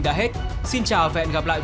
đã hết xin chào và hẹn gặp lại